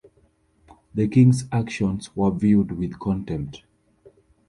The king's actions were viewed with contempt.